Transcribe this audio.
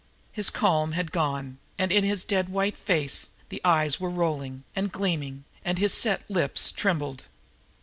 His calm had gone, and in his dead white face the eyes were rolling and gleaming, and his set lips trembled.